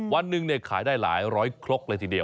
วันหนึ่งขายได้หลายร้อยครกเลยทีเดียว